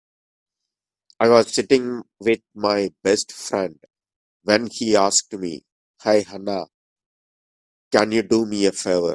I was sitting with my best friend when he asked me, "Hey Hannah, can you do me a favor?"